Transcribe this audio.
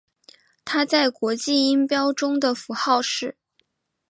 它在国际音标中的符号是。